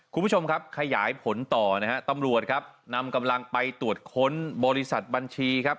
คุณผู้ชมครับขยายผลต่อนะฮะตำรวจครับนำกำลังไปตรวจค้นบริษัทบัญชีครับ